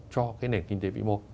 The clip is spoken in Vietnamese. cho cái nền kinh tế vĩ mô